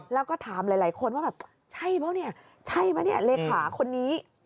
แล้วก็ถามหลายคนว่าแบบใช่ป่ะเนี่ยใช่ไหมเนี่ยเลขาคนนี้